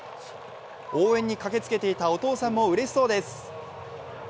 応援に駆けつけていたお父さんもうれしそうです。